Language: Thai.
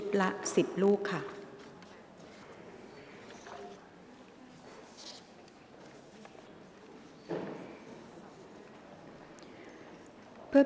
กรรมการท่านที่ห้าได้แก่กรรมการใหม่เลขเก้า